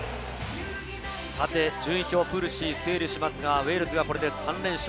順位表、プールＣを整理しますが、ウェールズがこれで３連勝。